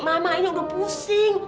mama ini udah pusing